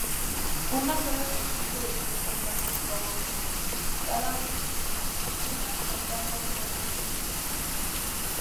Una cuerda consiste de tres personas como mínimo, cada una tocando uno de ellos.